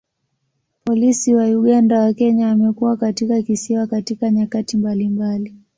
Polisi wa Uganda na Kenya wamekuwa katika kisiwa katika nyakati mbalimbali.